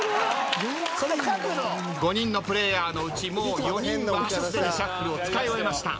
５人のプレイヤーのうちもう４人はすでにシャッフルを使い終えました。